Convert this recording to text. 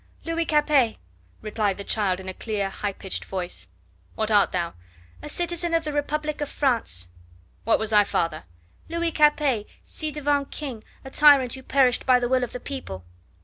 "Louis Capet," replied the child in a clear, high pitched voice. "What art thou?" "A citizen of the Republic of France." "What was thy father?" "Louis Capet, ci devant king, a tyrant who perished by the will of the people!"